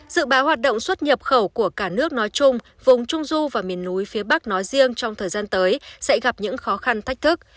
dự báo hoạt động xuất nhập khẩu của cả nước nói chung vùng trung du và miền núi phía bắc nói riêng trong thời gian tới sẽ gặp những khó khăn thách thức